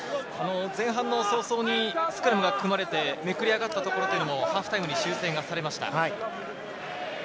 前半早々にスクラムが組まれて、めくれ上がったところもハーフタイムに修正されました。